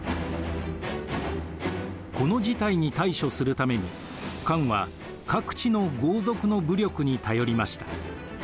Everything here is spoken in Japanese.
この事態に対処するために漢は各地の豪族の武力に頼りました。